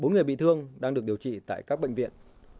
bốn người bị thương đang được điều trị tại các bệnh viện